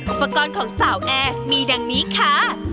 อุปกรณ์ของสาวแอร์มีดังนี้ค่ะ